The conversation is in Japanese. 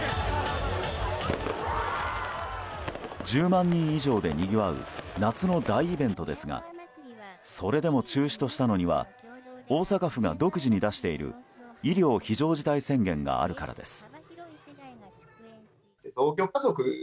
１０万人以上でにぎわう夏の大イベントですがそれでも中止としたのには大阪府が独自に出している医療非常事態宣言があるからです。